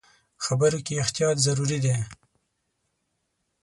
خبرو کې احتیاط ضروري دی.